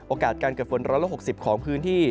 โอกาสการเกิดฝน๑๖๐องศาเซียตของพื้นที่